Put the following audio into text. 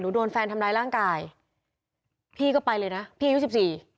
โดนแฟนทำร้ายร่างกายพี่ก็ไปเลยนะพี่อายุสิบสี่